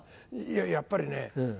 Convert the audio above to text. いややっぱりね